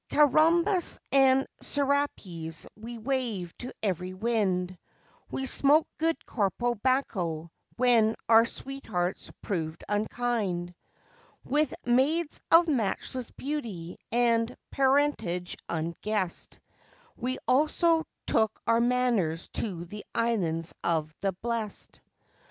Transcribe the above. Carambas and serapés we waved to every wind, We smoked good Corpo Bacco when our sweethearts proved unkind; With maids of matchless beauty and parentage unguessed We also took our manners to the Islands of the Blest.